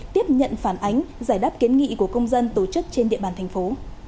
tiếp nhận phản ánh giải đáp kiến nghị của công dân tổ chức trên địa bàn thành phố